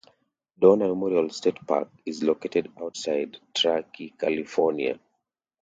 Donner Memorial State Park is located outside Truckee, California.